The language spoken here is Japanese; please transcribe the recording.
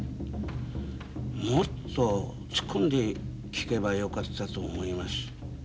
もっと突っ込んで聴けばよかったと思います。